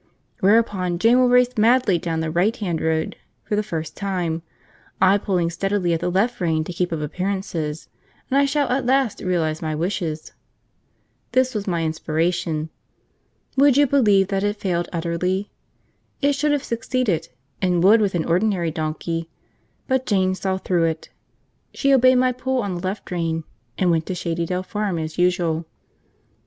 Whereupon Jane will race madly down the right hand road for the first time, I pulling steadily at the left rein to keep up appearances, and I shall at last realise my wishes." This was my inspiration. Would you believe that it failed utterly? It should have succeeded, and would with an ordinary donkey, but Jane saw through it. She obeyed my pull on the left rein, and went to Shady Dell Farm as usual.